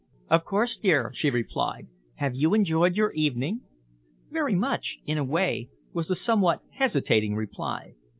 "Of course, dear," she replied. "Have you enjoyed your evening?" "Very much, in a way," was the somewhat hesitating reply.